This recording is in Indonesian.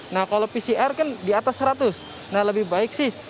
nah kalau pcr kan di atas seratus nah lebih baik sih